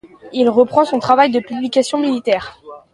Il reprend son travail de publications militaires.